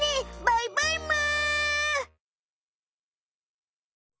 バイバイむ！